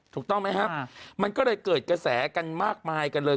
ถูกต้องไหมครับมันก็เลยเกิดกระแสกันมากมายกันเลย